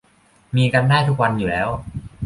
มีกันได้ทุกวันอยู่แล้ว